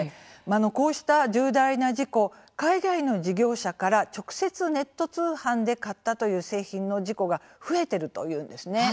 こうした重大な事故海外の事業者から直接ネット通販で買ったという製品の事故が増えてるというんですね。